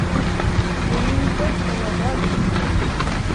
Il est militaire pour le roi de Prusse.